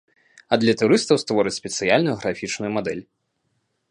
А для турыстаў створаць спецыяльную графічную мадэль.